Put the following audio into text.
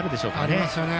ありますよね。